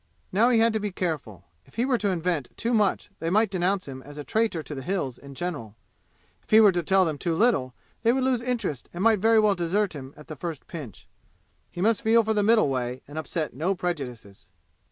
Now he had to be careful. If he were to invent too much they might denounce him as a traitor to the "Hills" in general. If he were to tell them too little they would lose interest and might very well desert him at the first pinch. He must feel for the middle way and upset no prejudices.